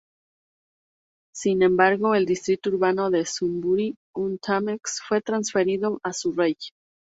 Sin embargo, el Distrito Urbano de Sunbury-on-Thames fue transferido a Surrey.